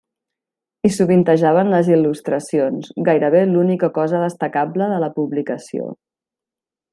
Hi sovintejaven les il·lustracions, gairebé l'única cosa destacable de la publicació.